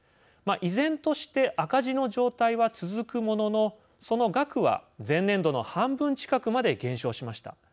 依然として赤字の状態は続くもののその額は前年度の半分近くまで減少しました。